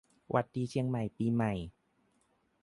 หวัดดีเชียงใหม่ปีใหม่